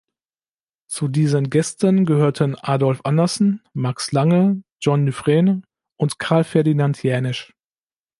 Zu diesen Gästen gehörten Adolf Anderssen, Max Lange, Jean Dufresne und Carl Ferdinand Jänisch.